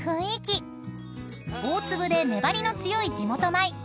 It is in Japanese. ［大粒で粘りの強い地元米ひゃく